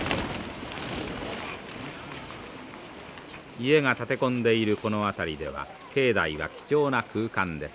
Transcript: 家が建て込んでいるこの辺りでは境内は貴重な空間です。